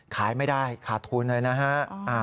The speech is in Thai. ขายไม่ได้ขาดทุนเลยนะฮะ